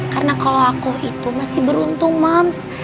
karena kalau aku itu masih beruntung mams